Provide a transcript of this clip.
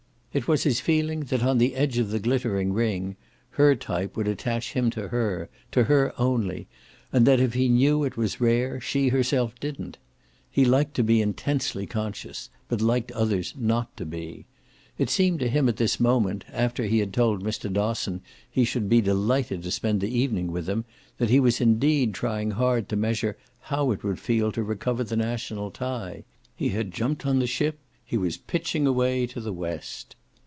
It was his feeling that on the edge of the glittering ring her type would attach him to her, to her only, and that if he knew it was rare she herself didn't. He liked to be intensely conscious, but liked others not to be. It seemed to him at this moment, after he had told Mr. Dosson he should be delighted to spend the evening with them, that he was indeed trying hard to measure how it would feel to recover the national tie; he had jumped on the ship, he was pitching away to the west.